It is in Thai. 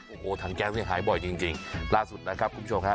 โอ้โหถังแก๊สเนี่ยหายบ่อยจริงจริงล่าสุดนะครับคุณผู้ชมฮะ